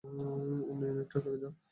অন্য ইউনিটরা আগে যাক।